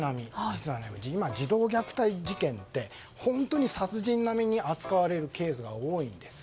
実は、児童虐待事件って本当に殺人並みに扱われるケースが多いんです。